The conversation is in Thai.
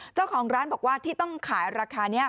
เจ้าของร้านบอกว่าที่ต้องขายราคานี้